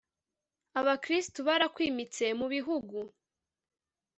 abakristu barakwimitse mu bihugu